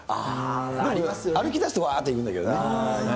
でも、歩きだすとわーっと行くんだけどね。